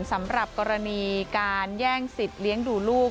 สำหรับกรณีการแย่งสิทธิ์เลี้ยงดูลูก